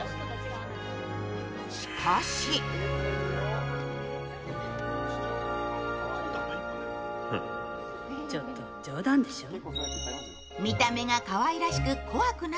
しかしちょっと冗談でしょう？